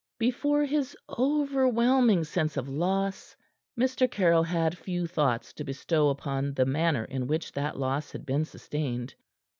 Before his overwhelming sense of loss, Mr. Caryll had few thoughts to bestow upon the manner in which that loss had been sustained.